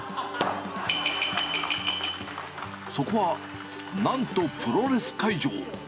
そこはなんとプロレス会場。